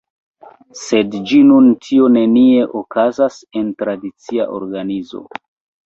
Sed ĝis nun tio nenie okazas en tradicia organizo.